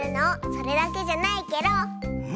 それだけじゃないケロ。